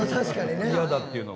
嫌だっていうの。